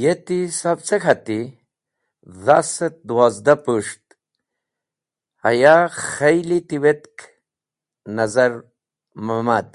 Yeti sav ce k̃hati dhas et dawozda pus̃ht, haya kheli tiwetk Nazar Mamad.